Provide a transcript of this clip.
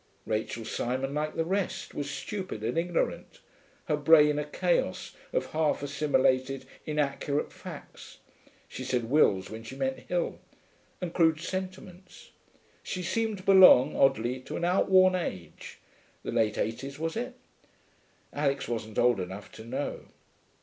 Rachel Simon, like the rest, was stupid and ignorant, her brain a chaos of half assimilated, inaccurate facts (she said Wills when she meant Hill) and crude sentiments. She seemed to belong, oddly, to an outworn age (the late eighties, was it? Alix wasn't old enough to know).